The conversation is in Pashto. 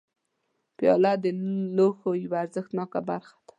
پیاله د لوښو یوه ارزښتناکه برخه ده.